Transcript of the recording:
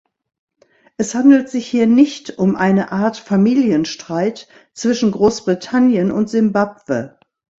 Es handelt sich hier nicht um eine Art Familienstreit zwischen Großbritannien und Simbabwe.